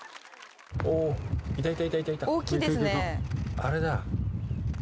あれだ。